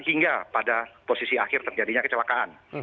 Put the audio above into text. hingga pada posisi akhir terjadinya kecelakaan